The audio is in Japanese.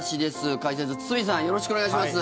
解説、堤さんよろしくお願いします。